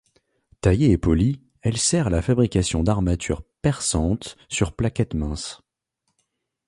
Taillée et polie, elle sert à la fabrication d'armatures perçantes sur plaquettes minces.